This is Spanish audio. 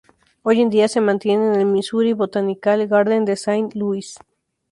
Hoy en día se mantiene en el Missouri Botanical Garden de Saint Louis.